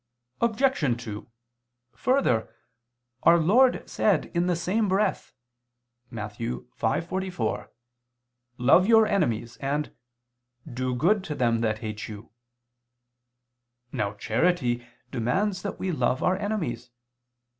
Obj. 2: Further, Our Lord said in the same breath (Matt. 5:44): "Love your enemies," and, "Do good to them that hate you." Now charity demands that we love our enemies.